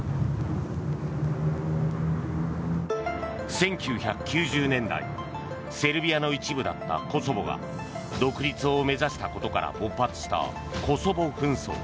１９９０年代セルビアの一部だったコソボが独立を目指したことから勃発したコソボ紛争。